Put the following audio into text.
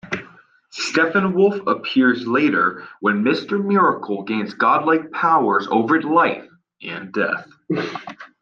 Steppenwolf appears later when Mister Miracle gains godlike powers over life and death.